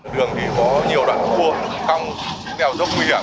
đường thì có nhiều đoạn cuộn không chính là rất nguy hiểm